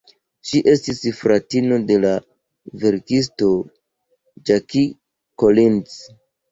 Ŝi estas fratino de la verkisto Jackie Collins.